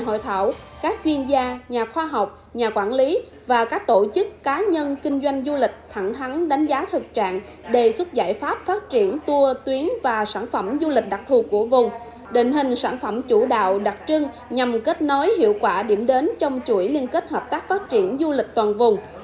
hội thảo các chuyên gia nhà khoa học nhà quản lý và các tổ chức cá nhân kinh doanh du lịch thẳng thắng đánh giá thực trạng đề xuất giải pháp phát triển tour tuyến và sản phẩm du lịch đặc thù của vùng định hình sản phẩm chủ đạo đặc trưng nhằm kết nối hiệu quả điểm đến trong chuỗi liên kết hợp tác phát triển du lịch toàn vùng